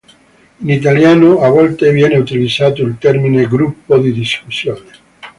In italiano a volte viene utilizzato il termine gruppo di discussione.